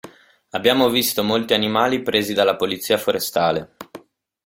Abbiamo visto molti animali presi dalla Polizia Forestale.